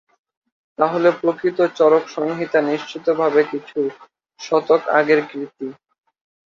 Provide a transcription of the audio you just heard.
তাহলে প্রকৃত চরক সংহিতা নিশ্চিতভাবে কিছু শতক আগের কৃতি।